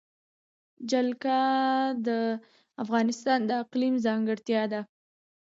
جلګه د افغانستان د اقلیم ځانګړتیا ده.